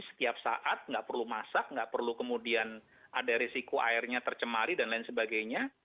setiap saat nggak perlu masak nggak perlu kemudian ada risiko airnya tercemari dan lain sebagainya